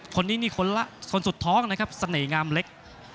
คนนี้นี่คนละคนสุดท้องนะครับเสน่หงามเล็ก